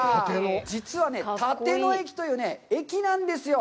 実は、立野駅という駅なんですよ。